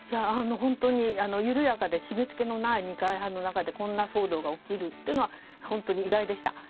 本当に緩やかで締めつけのない二会派の中でこんな騒動が起きるというのは本当に意外でした。